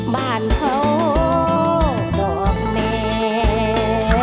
บ้านเขาดอกเหนียม